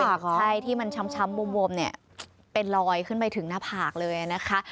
เห็นบริเวณที่มันช้ำวมเป็นลอยขึ้นไปถึงหน้าผากเลยนะคะ